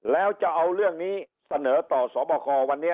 แล้วจะเอาเรื่องนี้เสนอต่อสบควันนี้